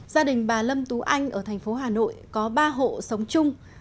gia đình bà lâm tú anh ở thành phố hà nội có ba hộ sống chung